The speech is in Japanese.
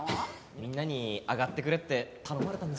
みんなに「上がってくれ」って頼まれたんです。